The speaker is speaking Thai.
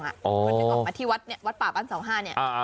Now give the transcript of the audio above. คนที่ออกมาที่วัดป่าบ้านสองห้า